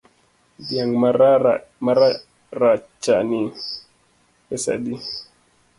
Dhiang’ mararachani to pesadi?